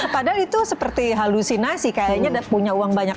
padahal itu seperti halusinasi kayaknya punya uang banyak